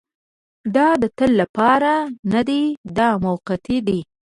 دا د تل لپاره نه دی دا موقتي دی.